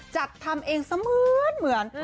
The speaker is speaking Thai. จัดทำเองเสมือนเหมือน